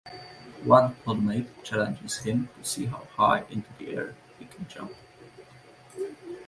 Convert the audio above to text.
One podmate challenges him to see how high into the air he can jump.